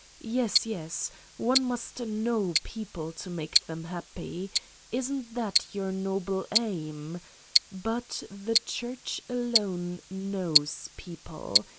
... Yes, yes! One must know people to make them happy. Isn't that your noble aim! But the Church alone knows people.